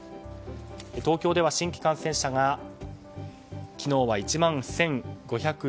東京では新規感染者が昨日は１万１５１１人。